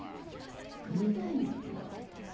似とるんやけど。